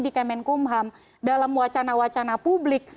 di kemenkumham dalam wacana wacana publik